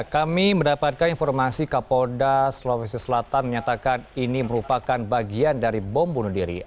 kami mendapatkan informasi kapolda sulawesi selatan menyatakan ini merupakan bagian dari bom bunuh diri